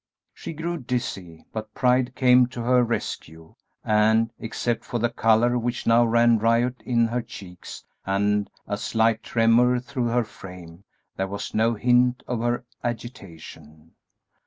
She grew dizzy, but pride came to her rescue, and, except for the color which now ran riot in her cheeks and a slight tremor through her frame, there was no hint of her agitation.